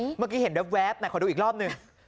เมื่อกี้เขาก็เห็นแบบวแแบบขอดูอีกรอบหนึ่ง